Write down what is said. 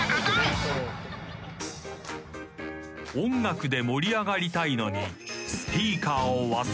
［音楽で盛り上がりたいのに］